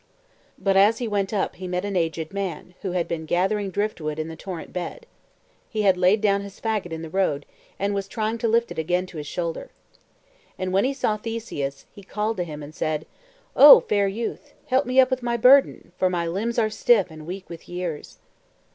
But as he went up he met an aged man, who had been gathering driftwood in the torrent bed. He had laid down his faggot in the road, and was trying to lift it again to his shoulder. And when he saw Theseus, he called to him and said: "O fair youth, help me up with my burden, for my limbs are stiff and weak with years."